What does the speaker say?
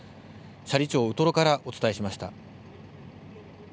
斜里町ウトロからお伝えしました。